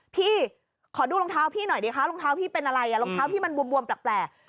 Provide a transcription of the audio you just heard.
พี่ขอดูรองเท้าพี่หน่อยดิคะรองเท้าพี่เป็นอะไรรองเท้าพี่มันบวมแปลก